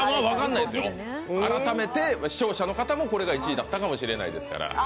わかんないですよ、改めて視聴者の方がこれが１位だったかもしれないですから。